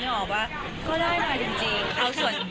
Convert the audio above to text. นึกออกว่าก็ได้มาจริง